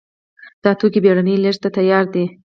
دا توکي بېړنۍ لېږد ته تیار دي.